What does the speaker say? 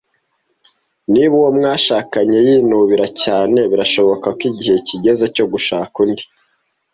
Niba uwo mwashakanye yinubira cyane, birashoboka ko igihe kigeze cyo gushaka undi.